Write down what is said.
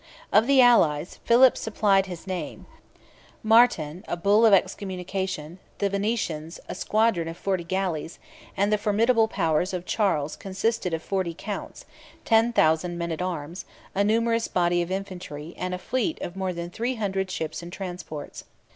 Of the allies, Philip supplied his name; Martin, a bull of excommunication; the Venetians, a squadron of forty galleys; and the formidable powers of Charles consisted of forty counts, ten thousand men at arms, a numerous body of infantry, and a fleet of more than three hundred ships and transports.